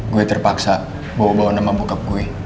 gue terpaksa bawa bawa nama bokap gue